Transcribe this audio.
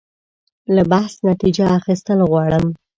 له بحث نتیجه اخیستل غواړم.